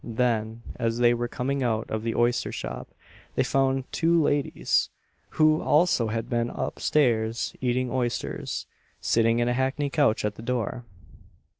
Then, as they were coming out of the oyster shop, they found two ladies, who also had been up stairs eating oysters, sitting in a hackney coach at the door.